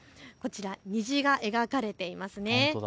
虹が描かれていますね。